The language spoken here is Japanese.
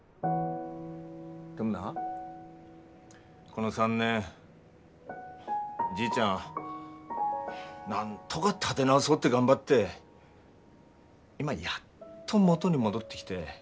でもなこの３年じいちゃんなんとか立て直そうって頑張って今やっと元に戻ってきて。